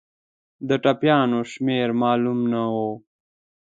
د ټپیانو شمېر معلوم نه وو.